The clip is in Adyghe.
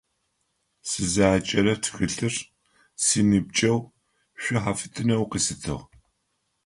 Сызаджэрэ тхылъыр синыбджэгъу шӀухьафтынэу къыситыгъ.